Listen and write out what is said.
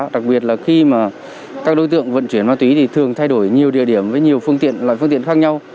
đặc biệt là khi mà các đối tượng vận chuyển ma túy thì thường thay đổi nhiều địa điểm với nhiều phương tiện loại phương tiện khác nhau